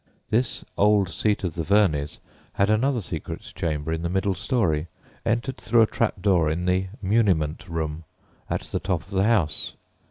_" This old seat of the Verneys had another secret chamber in the middle storey, entered through a trap door in "the muniment room" at the top of the house.